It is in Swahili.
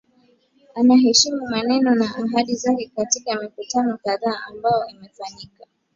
anaeheshimu maneno na ahadi zake katika mikutano kadhaa ambayo imefanyika